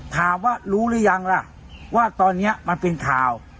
ถามว่ารู้หรือยังล่ะว่าตอนนี้มันเป็นข่าว